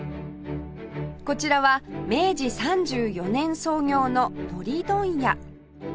こちらは明治３４年創業の海苔問屋